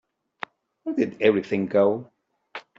Where did everything go?